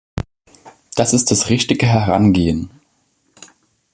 Das ist das richtige Herangehen.